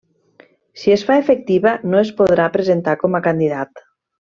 Si es fa efectiva, no es podrà presentar com a candidat.